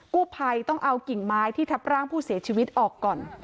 กู้ภัยต้องเอากิ่งไม้ที่ทับร่างผู้เสียชีวิตออกก่อน